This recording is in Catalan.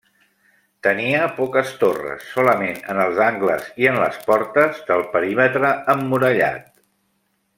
Tenia poques torres, solament en els angles i en les portes del perímetre emmurallat.